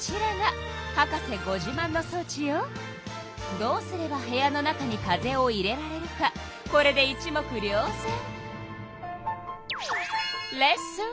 どうすれば部屋の中に風を入れられるかこれで一目りょうぜん。